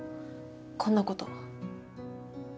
こんなこと。